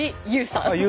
ＹＯＵさん。